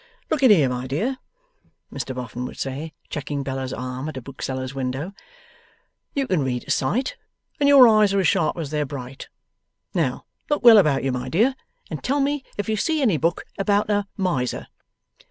'Look in here, my dear,' Mr Boffin would say, checking Bella's arm at a bookseller's window; 'you can read at sight, and your eyes are as sharp as they're bright. Now, look well about you, my dear, and tell me if you see any book about a Miser.